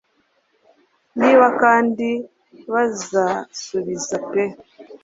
Niba kandi bazasubiza pe